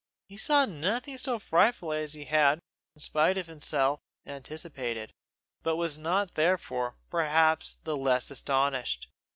He saw nothing so frightful as he had, in spite of himself, anticipated, but was not therefore, perhaps, the less astonished.